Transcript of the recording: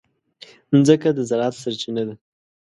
مځکه د زراعت سرچینه ده.